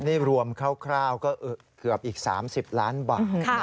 นี่รวมคร่าวก็เกือบอีก๓๐ล้านบาท